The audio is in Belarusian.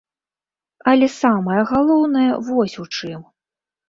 Але самае галоўнае вось у чым.